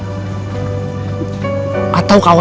atau kawasan yang kemarin